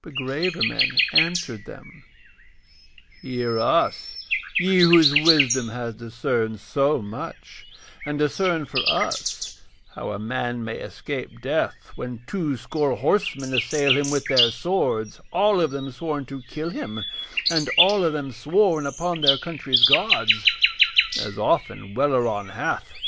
But graver men answered them: 'Hear us, ye whose wisdom has discerned so much, and discern for us how a man may escape death when two score horsemen assail him with their swords, all of them sworn to kill him, and all of them sworn upon their country's gods; as often Welleran hath.